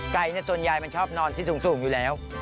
ส่วนใหญ่มันชอบนอนที่สูงอยู่แล้ว